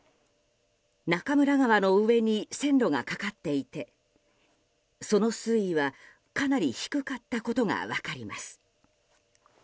中村川の上に線路がかかっていてその水位はかなり低かったことが分かります。